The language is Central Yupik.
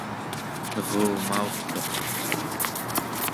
nerumaurtuq